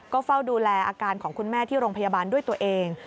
ก็เฝ้าดูแลอาการของคุณแม่ที่โรงพยาบาลด้วยตัวเอง